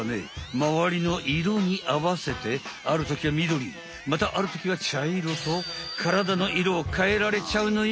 まわりの色にあわせてあるときはみどりまたあるときはちゃいろと体の色を変えられちゃうのよ！